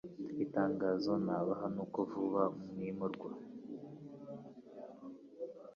Itangazo nabaha nuko vuba mwimurwa